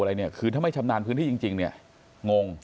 อะไรเนี่ยคือถ้าไม่ชำนาญพื้นที่จริงเนี่ยงง